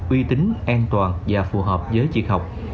uy tính an toàn và phù hợp với việc học